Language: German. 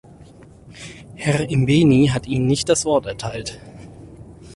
Herr Imbeni hat Ihnen nicht das Wort erteilt.